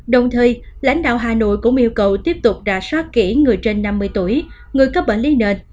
đồng thời lãnh đạo hà nội cũng yêu cầu tiếp tục rà soát kỹ người trên năm mươi tuổi người có bệnh lý nền